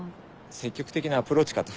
積極的なアプローチかと。